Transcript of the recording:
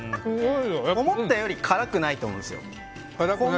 思ったより辛くないと思うんですよ。